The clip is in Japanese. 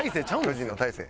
巨人の大勢。